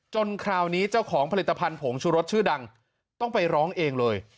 คราวนี้เจ้าของผลิตภัณฑ์ผงชูรสชื่อดังต้องไปร้องเองเลย